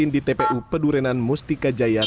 di tpu pedurenan mustika jaya